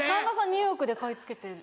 ニューヨークで買い付けてる。